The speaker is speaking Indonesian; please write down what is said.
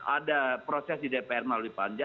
ada proses di dpr melalui panja